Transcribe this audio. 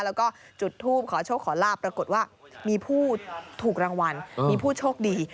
แล้วก็จุดทูปขอโชคขอลาบปรากฏว่ามีผู้ถูกรางวัลมีผู้โชคดี